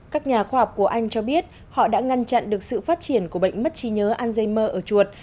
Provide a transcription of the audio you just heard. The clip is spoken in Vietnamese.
các nhà khoa học của anh cho biết họ đã ngăn chặn được sự phát triển của bệnh mất trí nhớ alzheimer ở chuột